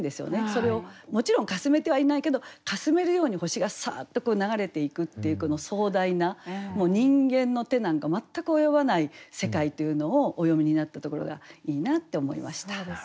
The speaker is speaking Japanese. それをもちろんかすめてはいないけどかすめるように星がサッと流れていくっていうこの壮大な人間の手なんか全く及ばない世界というのをお詠みになったところがいいなって思いました。